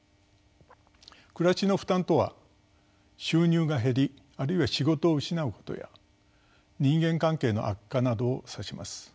「暮らしの負担」とは収入が減りあるいは仕事を失うことや人間関係の悪化などを指します。